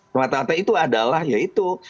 swatata itu adalah ya itu